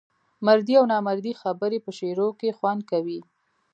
مردۍ او نامردۍ خبري په شعر کې خوند کوي.